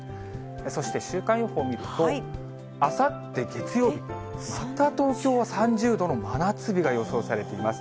そして週間予報を見ると、あさって月曜日、また東京は３０度の真夏日が予想されています。